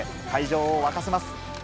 会場を沸かせます。